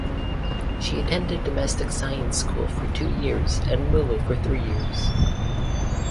She attended domestic science school for two years and Mulo for three years.